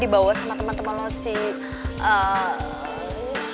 ya udah kita ke rumah